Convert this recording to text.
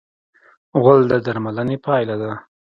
غول د درملنې پایله ده.